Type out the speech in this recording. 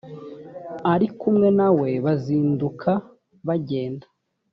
ari kumwe na we bazinduka bagenda